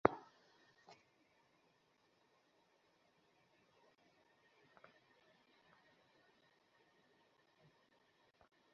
কলিকাতায় নিবেদিতার বালিকা বিদ্যালয়টি যেমন করে হোক খাড়া করে দিতে হবে।